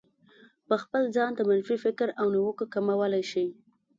په خپل ځان د منفي فکر او نيوکو کمولای شئ.